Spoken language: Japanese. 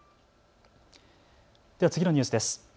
次のニュースです。